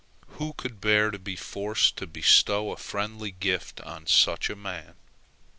Who could bear to be forced to bestow a friendly gift on such a man?